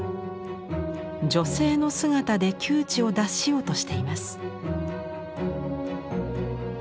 女性の姿で窮地を脱しようとしています。